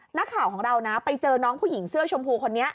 นักข่าวของเรานะไปเจอน้องผู้หญิงเสื้อชมพูคนนี้